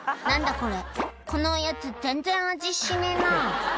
これこのおやつ全然味しねえな」